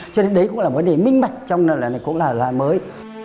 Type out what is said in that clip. cho nên đấy cũng là vấn đề minh mạch trong lần này cũng là lần mới